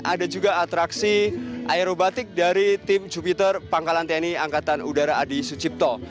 ada juga atraksi aerobatik dari tim jupiter pangkalan tni angkatan udara adi sucipto